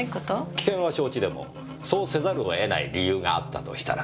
危険は承知でもそうせざるを得ない理由があったとしたら。